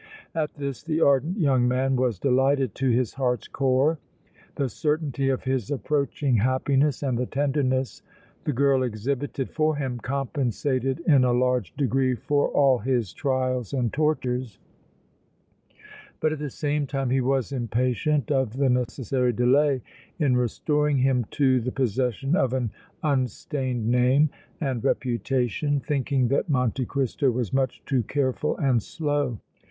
At this the ardent young man was delighted to his heart's core; the certainty of his approaching happiness and the tenderness the girl exhibited for him compensated in a large degree for all his trials and tortures, but at the same time he was impatient of the necessary delay in restoring him to the possession of an unstained name and reputation, thinking that Monte Cristo was much too careful and slow.